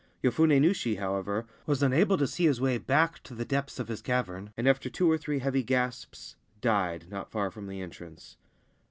Yofune Nushi, however, was unable to see his way back to the depths of his cavern, and after two or three heavy gasps died, not far from the entrance.